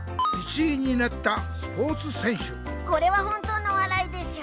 １位になったスポーツせんしゅ。